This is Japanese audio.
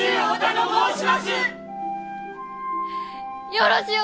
よろしゅう